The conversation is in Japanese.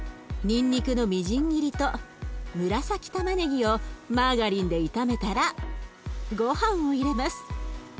にんにくのみじん切りと紫たまねぎをマーガリンで炒めたらごはんを入れます。